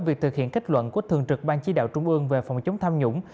việc thực hiện kết luận của thường trực ban chỉ đạo trung ương về phòng chống tham nhũng